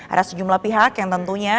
ada sejumlah pihak yang tentunya